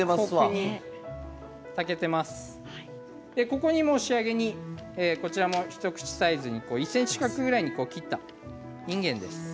ここに仕上げに一口サイズに１ｃｍ角ぐらいに切ったいんげんです。